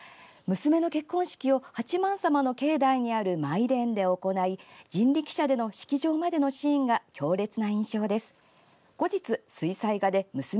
娘の結婚式を八幡様の境内にある舞殿で行い人力車での式場までのシーンが強烈な印象です。